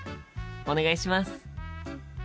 お願いします！